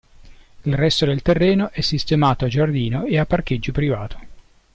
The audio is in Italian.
Il resto del terreno è sistemato a giardino e a parcheggio privato.